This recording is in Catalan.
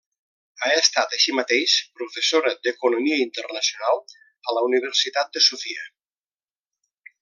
Ha estat, així mateix, professora d'Economia internacional de la Universitat de Sofia.